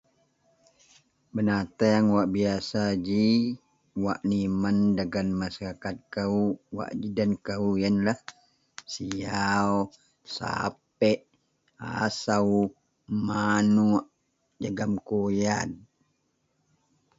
Benateang wak biasa ji wak nimen dagen masarakat kou wak ji den kou iyenlah siaw, sapek, asou, manouk jegem kuyad.